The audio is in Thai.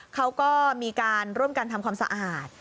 เขาก็มีการร่วมกันทำความสะอาด